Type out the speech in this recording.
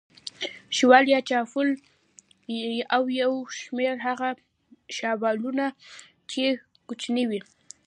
شاول یا شافول او یو شمېر هغه شابلونونه چې کوچني وي.